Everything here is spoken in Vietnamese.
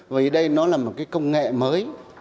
vì đây nó là một công nghệ mới